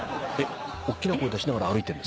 おっきな声出しながら歩いてる？